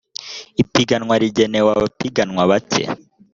ipiganwa rigenewe abapiganwa bake